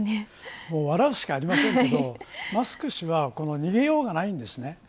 もう笑うしかありませんけどマスク氏は逃げようがないんです。